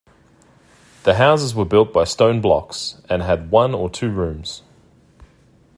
The houses were built by stone blocks and had one or two rooms.